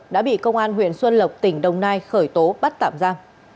đã bị công an huyện xuân lộc tỉnh đồng nai khởi tố bắt tạm ra